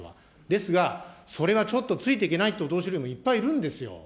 ですが、それがちょっとついていけないというお年寄りもいっぱいいるんですよ。